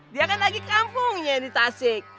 dia kan lagi kampungnya di tasik